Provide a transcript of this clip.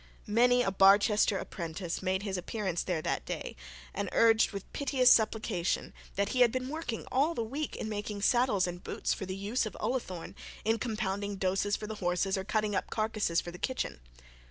Many a Barchester apprentice made his appearance there that day, and urged with piteous supplication that he had been working all the week in making saddles and boots for the use of Ullathorne, in compounding doses for the horses, or cutting up carcasses for the kitchen.